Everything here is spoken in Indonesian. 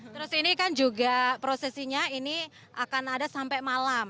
terus ini kan juga prosesinya ini akan ada sampai malam